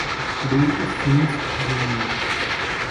Bill Sims Jr.